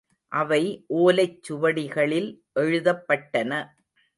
அவை ஓலைச் சுவடிகளில் எழுதப்பட்டன.